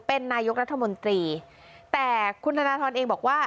เป็นนายกรัฐมนตรีแต่คุณธนทรเองบอกว่า